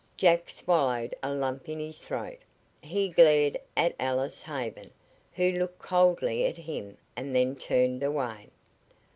Jack swallowed a lump in his throat. He glared at Alice Haven, who looked coldly at him and then turned away.